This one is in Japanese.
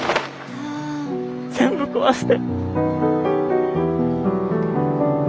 全部壊して。